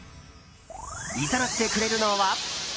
いざなってくれるのは。